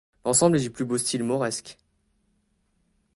L'ensemble est du plus beau style mauresque.